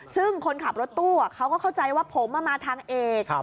ซึ่งคนขับรถตู้เขาก็เข้าใจว่าผมมาทางเอก